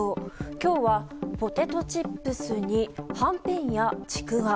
今日はポテトチップスにはんぺんやちくわ。